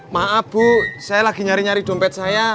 maaf bu saya lagi nyari nyari dompet saya